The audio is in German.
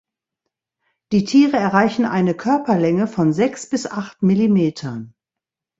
Die Tiere erreichen eine Körperlänge von sechs bis acht Millimetern.